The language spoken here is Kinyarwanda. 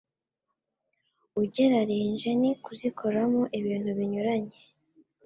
ugerarinje ni kuzikoramo ibintu binyuranye.